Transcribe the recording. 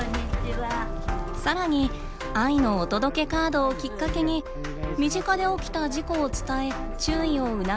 さらに「愛のお届けカード」をきっかけに身近で起きた事故を伝え注意を促すことも。